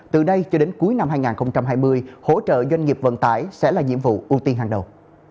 từ đây cho đến cuối năm hai nghìn hai mươi hỗ trợ doanh nghiệp vận tải sẽ là nhiệm vụ ưu tiên hàng đầu